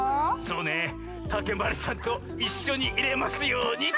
そうねたけまりちゃんといっしょにいれますようにって！